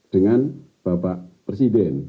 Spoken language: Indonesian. dengan bapak presiden